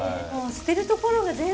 捨てるところない。